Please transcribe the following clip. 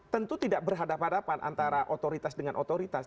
tentu tidak berhadapan hadapan antara otoritas dengan otoritas